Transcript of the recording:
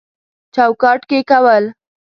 چوکاټ کې کول